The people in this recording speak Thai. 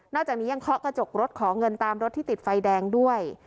จากนี้ยังเคาะกระจกรถขอเงินตามรถที่ติดไฟแดงด้วย